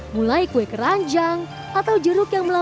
mulai kue keranjang atau jeruk yang menarik